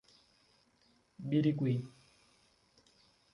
Birigui